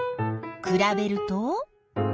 くらべると？